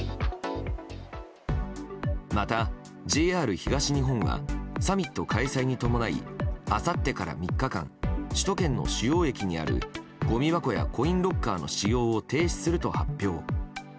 また、ＪＲ東日本はサミット開催に伴いあさってから３日間首都圏の主要駅にあるごみ箱やコインロッカーの使用を停止すると発表。